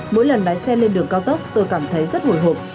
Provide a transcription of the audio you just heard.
mỗi lần lái xe lên đường cao tốc tôi cảm thấy rất hồi hộp